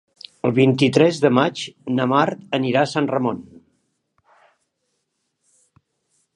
El vint-i-tres de maig na Mar anirà a Sant Ramon.